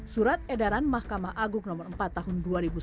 surat edaran mahkamah agung nomor empat tahun dua ribu sembilan belas